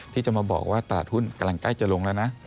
ที่จะมาบอกว่าตลาดหุ้นกำลังใกล้จะลงแล้วนะ